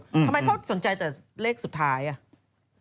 ทำไมเขาสนใจแต่เลขสุดท้ายอ่ะ